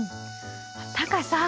タカさん